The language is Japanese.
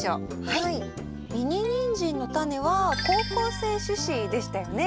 ミニニンジンのタネは好光性種子でしたよね？